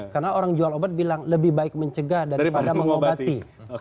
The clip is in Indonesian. karena orang jual obat bilang lebih baik mencegah daripada mengobati